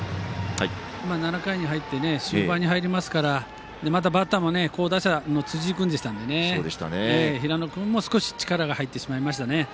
７回に入って終盤に入りますからバッターも好打者の辻井君ですから平野君も少し力が入ってしまいましたね。